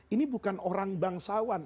ini bukan orang bangsawan